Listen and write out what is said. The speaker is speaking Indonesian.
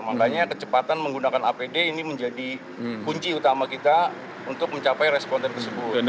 makanya kecepatan menggunakan apd ini menjadi kunci utama kita untuk mencapai responden tersebut